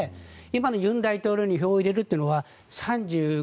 今の尹大統領に票を入れるというのが３５．３％。